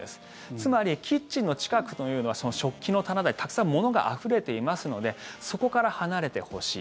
つまりキッチンの近くというのは食器の棚だったりたくさん物があふれてますのでそこから離れてほしい。